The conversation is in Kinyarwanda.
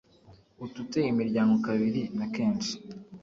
ututse imiryango kabiri. na kenshi